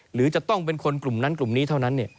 หรือจะต้องเป็นคนกลุ่มนั้นกลุ่มนี้เท่านั้น